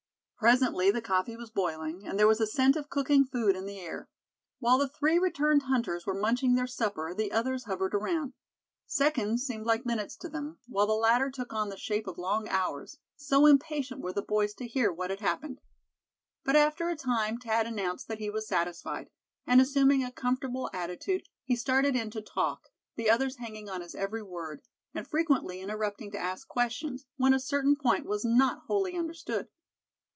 Presently the coffee was boiling, and there was a scent of cooking food in the air. While the three returned hunters were munching their supper the others hovered around. Seconds seemed like minutes to them; while the latter took on the shape of long hours, so impatient were the boys to hear what had happened. But after a time Thad announced that he was satisfied; and assuming a comfortable attitude, he started in to talk, the others hanging on his every word, and frequently interrupting to ask questions, when a certain point was not wholly understood.